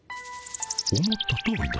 思ったとおりだ。